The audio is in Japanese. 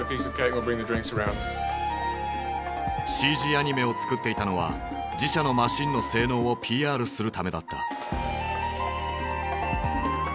ＣＧアニメを作っていたのは自社のマシンの性能をＰＲするためだった。